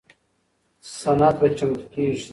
سند به چمتو کیږي.